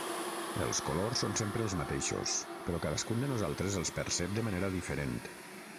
Els colors són sempre els mateixos, però cadascun de nosaltres els percep de manera diferent.